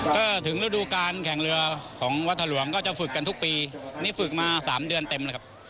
ก็ถึงฤดูการแข่งเรือของวัดถลวงก็จะฝึกกันทุกปีนี่ฝึกมา๓เดือนเต็มเลยครับ